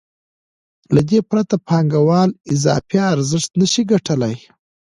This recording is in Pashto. له دې پرته پانګوال اضافي ارزښت نشي ګټلی